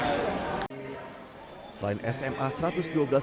harga sekolah pusko pusko perindaikan tidak apalah